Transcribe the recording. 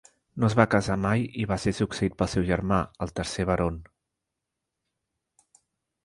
No es va casar mai i va ser succeït pel seu germà, el tercer Baron.